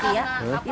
arisan rahmi fitria